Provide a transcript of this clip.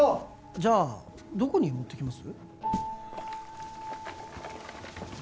じゃあどこに持っていきます？